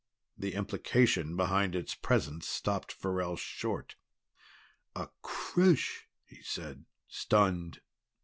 The implication behind its presence stopped Farrell short. "A creche," he said, stunned.